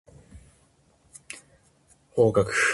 方角